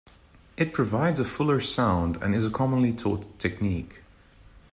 It provides a fuller sound and is a commonly taught technique.